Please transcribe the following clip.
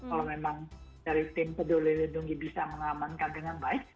kalau memang dari tim peduli lindungi bisa mengamankan dengan baik